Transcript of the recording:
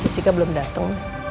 jessica belum datang